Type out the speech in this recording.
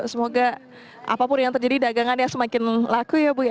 semoga apapun yang terjadi dagangannya semakin laku ya bu ya